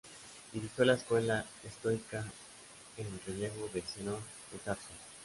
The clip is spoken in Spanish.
Dirigió la escuela estoica, en relevo de Zenón de Tarso.